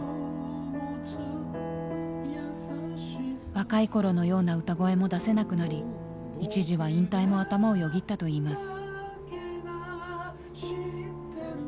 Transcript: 若い頃のような歌声も出せなくなり一時は引退も頭をよぎったといいます。